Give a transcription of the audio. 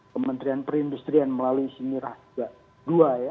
kementerian perindustrian melalui sini raja dua ya